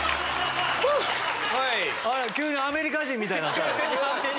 急にアメリカ人みたいになった。